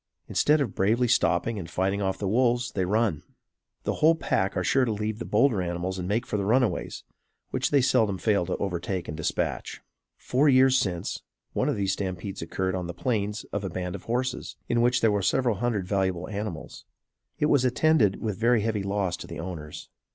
Instead of bravely stopping and fighting off the wolves, they run. The whole pack are sure to leave the bolder animals and make for the runaways, which they seldom fail to overtake and dispatch. Four years since, one of these stampedes occurred on the Plains of a band of horses, in which there were several hundred valuable animals. It was attended with very heavy loss to the owners.